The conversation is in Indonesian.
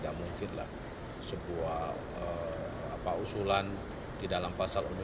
dan juga untuk menjaga kepentingan pemerintah